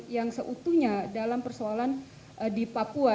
yang seutuhnya dalam persoalan di papua